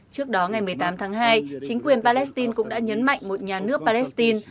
trước đó ngày một mươi tám tháng hai chính quyền palestine cũng đã nhấn mạnh một nhà nước palestine